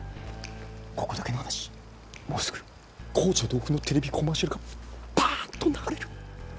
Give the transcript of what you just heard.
ここだけの話もうすぐ紅茶豆腐のテレビコマーシャルがバンと流れる。